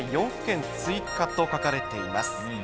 ４府県追加と書かれています。